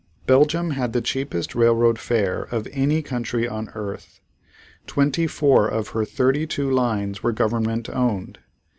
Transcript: Belgium had the cheapest railroad fare of any country on earth. Twenty four of her thirty two lines were government owned.